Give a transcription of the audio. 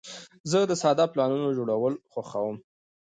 زه د ساده پلانونو جوړول خوښوم.